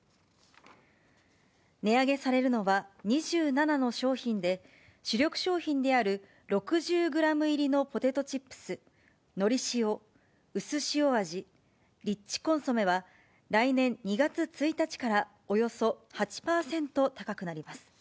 値上げされるのは、２７の商品で、主力商品である６０グラム入りのポテトチップス、のり塩、うすしお味、リッチコンソメは、来年２月１日からおよそ８％高くなります。